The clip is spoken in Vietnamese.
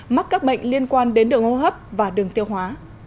mắc các bệnh liên quan đến đường hô hấp và đường tiêu hóa